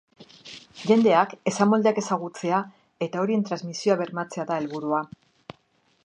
Jendeak esamoldeak ezagutzea eta horien transmisioa bermatzea da helburua.